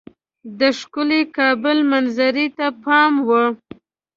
د ښکلي کابل منظرې ته پام وو.